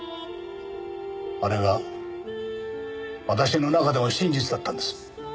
あれが私の中では真実だったんです。